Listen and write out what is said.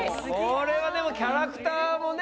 これはでもキャラクターもね。